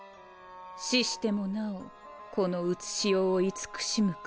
死してもなおこの現世を慈しむか。